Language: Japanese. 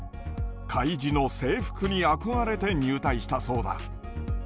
海自の制服に憧れて入隊したそうだ。